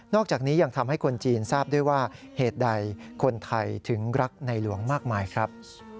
อกจากนี้ยังทำให้คนจีนทราบด้วยว่าเหตุใดคนไทยถึงรักในหลวงมากมายครับ